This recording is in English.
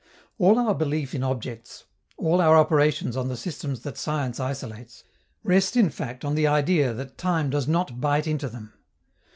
All our belief in objects, all our operations on the systems that science isolates, rest in fact on the idea that time does not bite into them.